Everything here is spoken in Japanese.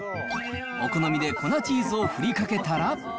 お好みで粉チーズを振りかけたら。